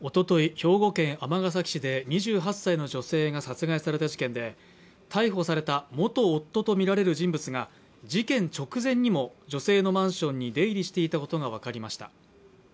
兵庫県尼崎市で２８歳の女性が殺害された事件で逮捕された元夫とみられる人物が事件直前にも女性のマンションに出入りしていたことが分かりました。